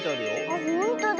あっほんとだ。